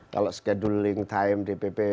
kalau scheduling time dpp